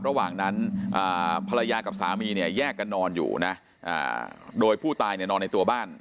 ระหว่างนั้นภรรยากับสามีเนี่ยแยกกันนอนอยู่นะโดยผู้ตายเนี่ยนอนในตัวบ้าน